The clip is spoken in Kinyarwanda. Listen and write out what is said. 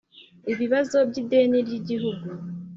ibibazo by'ideni ry'igihugu